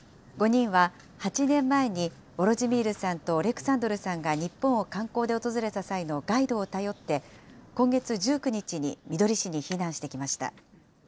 ５人は８年前に、ヴォロジミールさんとオレクサンドルさんが日本を観光で訪れた際のガイドを頼って、今月１９日にみどり市に避難してきました。